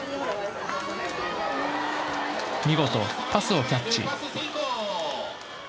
見事、パスをキャッチ！